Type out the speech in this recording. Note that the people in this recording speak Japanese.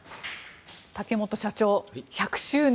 竹本社長、１００周年